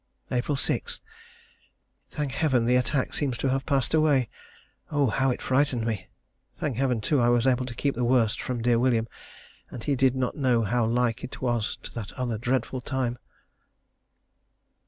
April 6. Thank Heaven the attack seems to have passed away. Oh, how it frightened me. Thank Heaven, too, I was able to keep the worst from dear William, and he did not know how like it was to that other dreadful time.